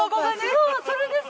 そうそれです！